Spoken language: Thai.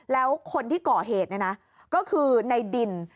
แล้วคนที่ก่อเหตุเนี่ยนะก็คือในดิน